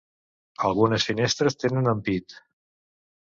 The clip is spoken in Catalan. Algunes finestres tenen ampit.